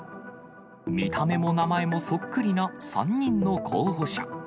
見た目も名前もそっくりな３人の候補者。